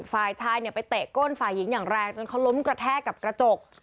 ฝ่ายชายเนี่ยไปเตะก้นฝ่ายหญิงอย่างแรงจนเขาล้มกระแทกกับกระจก